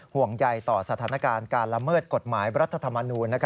ห่วงใยต่อสถานการณ์การละเมิดกฎหมายรัฐธรรมนูล